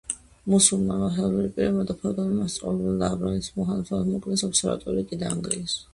მუსულმანმა სასულიერო პირებმა და ფეოდალებმა მას მწვალებლობა დააბრალეს, მუხანათურად მოკლეს, ობსერვატორია კი დაანგრიეს.